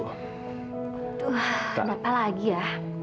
aduh apa lagi ya